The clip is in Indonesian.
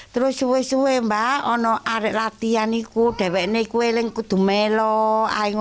lalu saya melukis bal balan